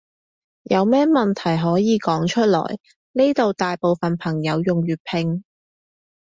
有咩問題可以講出來，呢度大部分朋友用粵拼